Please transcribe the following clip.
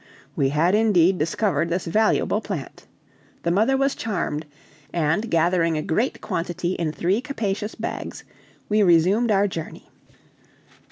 We had indeed discovered this valuable plant. The mother was charmed; and gathering a great quantity in three capacious bags, we resumed our journey.